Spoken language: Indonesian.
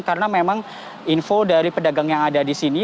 karena memang info dari pedagang yang ada di sini